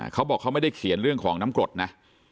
เขาบอกเขาไม่ได้เขียนเรื่องของน้ำกรดนะ